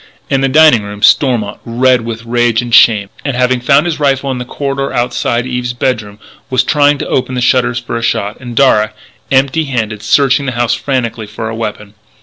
In the dining room, Stormont, red with rage and shame, and having found his rifle in the corridor outside Eve's bedroom, was trying to open the shutters for a shot; and Darragh, empty handed, searched the house frantically for a weapon.